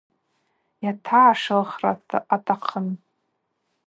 Йатагӏашылхра атахъын.